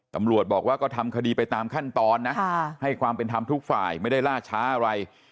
ตำรวจบอกว่าก็ทำคดีไปตามขั้นตอนนะให้ความเป็นธรรมทุกฝ่ายไม่ได้ล่าช้าอะไร